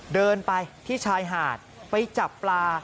เดินไปที่ชายหาดไปจับปลา